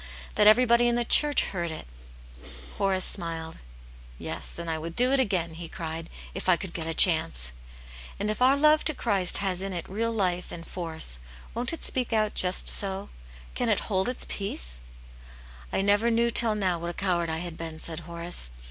that every body in the church heard it ?" Horace smiled. "Yes, and I would do it againl" he cried, " if I could get a chance." "And H ovir love to Cht\st\v^^ \\\\\, \^'2W>^^ '^^^ Ii8 Aunt Janets Hero. force, won't it speak out just so ? Can it hold its peace?" " I never knew till now what a coward I had been," said Horace.